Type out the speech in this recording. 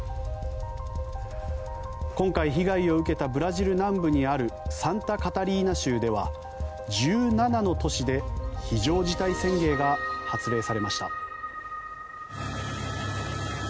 今回被害を受けたブラジル南部にあるサンタカタリーナ州では１７の都市で非常事態宣言が発令されました。